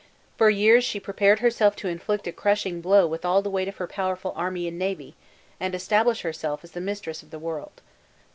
For years she prepared herself to inflict a crushing blow with all the weight of her powerful army and navy and establish herself as the mistress of the world.